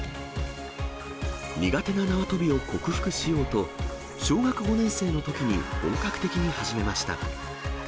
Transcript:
苦手な縄跳びを克服しようと、小学５年生のときに本格的に始めました。